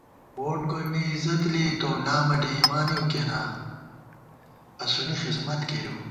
ووٹ گوئی مےعِزت لېئیتوؤ لامہ ڈېئیمانېؤ کینا، اسُونی خسمت کېرِؤ